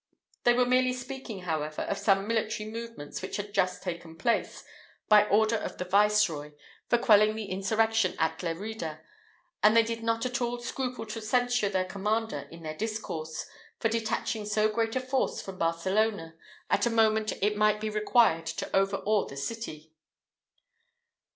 They were merely speaking, however, of some military movements which had just taken place, by order of the Viceroy, for quelling the insurrection at Lerida; and they did not at all scruple to censure their commander in their discourse, for detaching so great a force from Barcelona, at a moment it might be required to overawe the city.